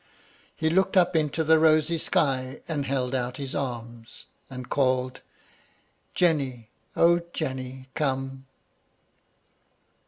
He looked up into the rosy sky, and held out his arms, and called, "Jenny! O Jenny! come."